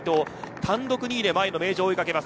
単独２位で前の名城を追い掛けます。